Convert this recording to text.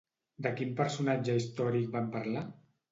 De quin personatge històric van parlar?